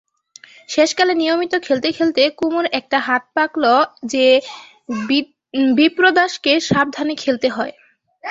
শেষকালে নিয়মিত খেলতে খেলতে কুমুর এতটা হাত পাকল যে বিপ্রদাসকে সাবধানে খেলতে হয়।